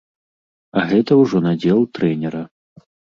А гэта ўжо надзел трэнера.